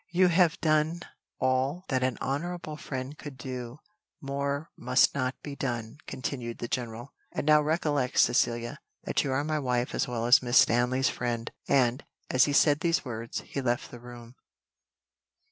"You have done all that an honourable friend could do; more must not be done," continued the general. "And now recollect, Cecilia, that you are my wife as well as Miss Stanley's friend;" and, as he said these words, he left the room.